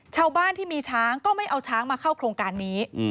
ชาวบ้านที่มีช้างก็ไม่เอาช้างมาเข้าโครงการนี้